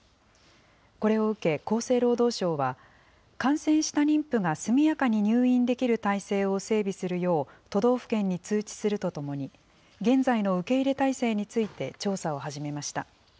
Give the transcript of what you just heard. これを受け厚生労働省は、感染した妊婦が速やかに入院できる体制を整備するよう、都道府県に通知するとともに、現在の受け入れ体制について調査を始めました。